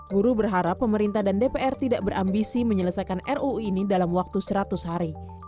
buruh berharap pemerintah dan dpr tidak berambisi menyelesaikan ruu ini dalam waktu seratus hari